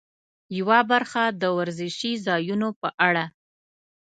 یوه برخه د ورزشي ځایونو په اړه.